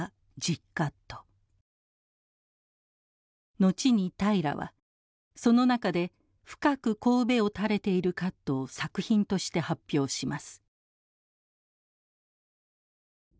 後に平良はその中で深くこうべを垂れているカットを作品として発表します。